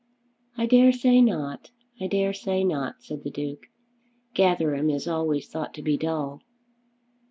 "I dare say not; I dare say not," said the Duke. "Gatherum is always thought to be dull."